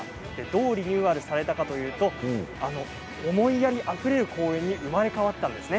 どうリニューアルされたかといいますと思いやりあふれる公園に生まれ変わったんです。